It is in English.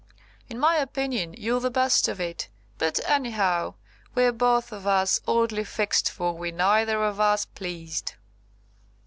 "In my opinion you've the best of it; but anyhow, we're both of us oddly fixed, for we're neither of us pleased."